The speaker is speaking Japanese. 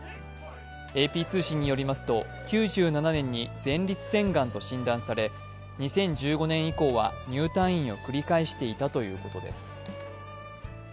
ＡＰ通信によりますと、９７年に前立腺がんと診断され、２０１５年以降は入退院を繰り返していたということです。